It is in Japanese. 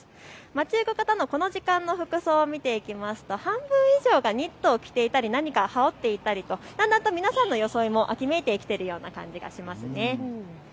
街行く方のこの時間の服装を見ていきますと半分以上がニットを着ていたり何かを羽織っていたりと皆さんの装いも秋めいているような気がします。